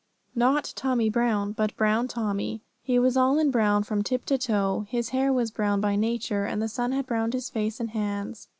Not Tommy Brown, but Brown Tommy. He was all in brown from tip to toe. His hair was brown by nature, and the sun had browned his face and hands.